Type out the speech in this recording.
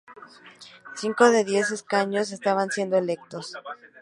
Cinco de diez escaños estaban siendo electos.